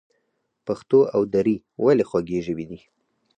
پښتو او دري ولې خوږې ژبې دي؟